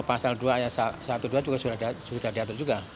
pasal dua ayat satu dua belas juga sudah diatur juga